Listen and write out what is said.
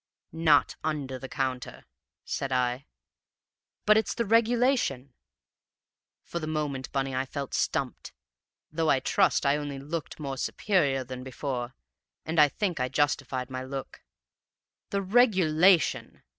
"'Not under the counter,' said I. "'But it's the regulation!' "For the moment, Bunny, I felt stumped, though I trust I only looked more superior than before, and I think I justified my look. "'The regulation!'